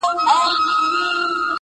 زما دعا به درسره وي زرکلن سې٫